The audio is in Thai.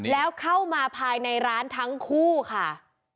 แล้วเข้ามาภายในร้านทั้งคู่ค่ะ